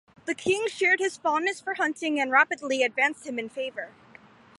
The king shared his fondness for hunting and rapidly advanced him in favour.